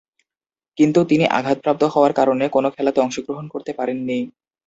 কিন্তু তিনি আঘাতপ্রাপ্ত হওয়ার কারণে কোন খেলাতে অংশগ্রহণ করতে পারেননি।